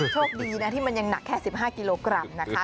โชคดีนะที่มันยังหนักแค่๑๕กิโลกรัมนะคะ